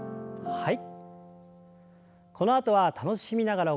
はい。